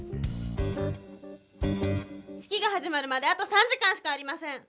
式が始まるまであと３時間しかありません。